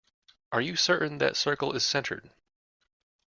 Are you certain that circle is centered?